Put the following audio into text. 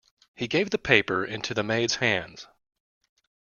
He gave the paper into the maid's hands.